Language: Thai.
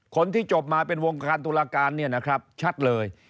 คนที่จบมาเป็นวงการตุลาการเนี่ยนะครับชัดเลย